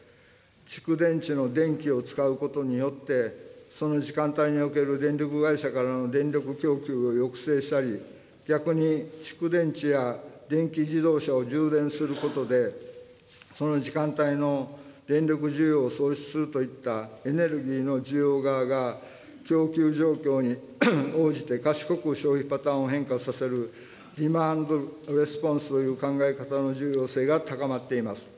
蓄電池の電気を使うことによって、その時間帯における電力会社からの電力供給を抑制したり、逆に蓄電池や電気自動車を充電することで、その時間帯の電力需要を創出するといったエネルギーの需要側が、供給状況に応じて賢く消費パターンを変化させるディマンドレスポンスという考え方の重要性が高まっています。